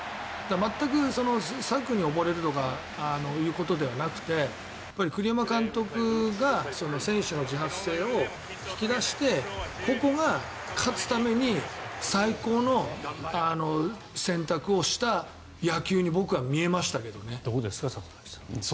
全く策に溺れるとかということではなく栗山監督が選手の自発性を引き出して、個々が勝つために最高の選択をしたどうですか、里崎さん。